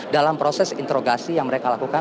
dalam proses interogasi yang mereka lakukan